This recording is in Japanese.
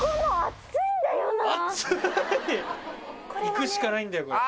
行くしかないんだよこれ。